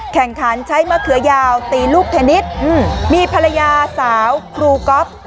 แข่งขันใช้มะเขือยาวตีลูกเทนนิสมีภรรยาสาวครูก๊อฟ